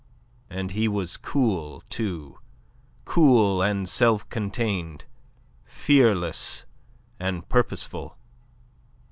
And he was cool, too; cool and self contained; fearless and purposeful.